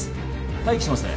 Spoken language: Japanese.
待機しますね